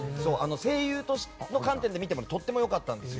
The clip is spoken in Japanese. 声優の観点で見てもとても良かったんです。